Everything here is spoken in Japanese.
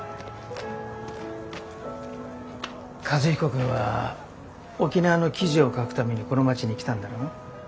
和彦君は沖縄の記事を書くためにこの町に来たんだろ？